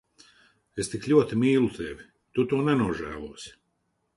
Es tik ļoti mīlu tevi. Tu to nenožēlosi.